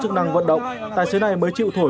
chức năng vận động tài xế này mới chịu thổi